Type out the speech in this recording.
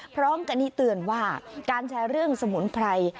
พร้อมกันนี้เตือนว่าการแชร์เรื่องสมุนไพร